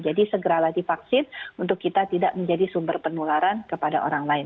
jadi segera lagi vaksin untuk kita tidak menjadi sumber penularan kepada orang lain